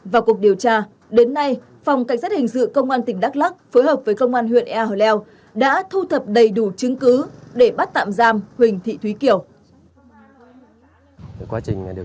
vào cuộc điều tra đến nay phòng cảnh sát hình sự công an tỉnh đắk lắc phối hợp với công an huyện ea leo đã thu thập đầy đủ chứng cứ để bắt tạm giam huỳnh thị thúy kiều